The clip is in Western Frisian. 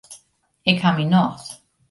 Ik ha myn nocht.